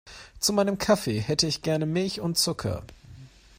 Zu meinem Kaffee hätte ich gern Milch und Zucker.